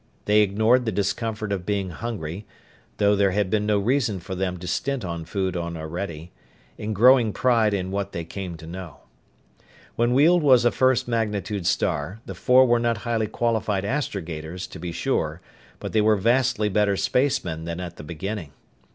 They ignored the discomfort of being hungry though there had been no reason for them to stint on food on Orede in growing pride in what they came to know. When Weald was a first magnitude star, the four were not highly qualified astrogators, to be sure, but they were vastly better spacemen than at the beginning.